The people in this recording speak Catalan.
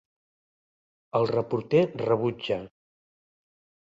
El reporter rebutja.